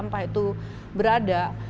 sampah itu berada